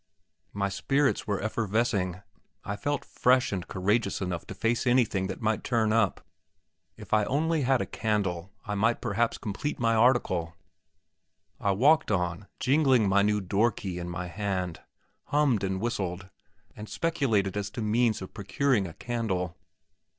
My spirits were effervescing. I felt fresh and courageous enough to face anything that might turn up. If I only had a candle, I might perhaps complete my article. I walked on, jingling my new door key in my hand; hummed, and whistled, and speculated as to means of procuring a candle.